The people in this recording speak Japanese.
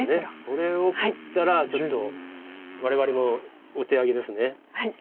これを切ったらちょっと我々もお手上げです。